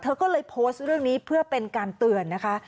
เธอก็เลยโพสต์เรื่องนี้เพื่อเป็นการเตือนนะคะ